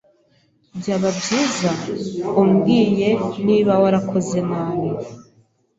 Byaba byiza umbwiye niba warakoze nabi.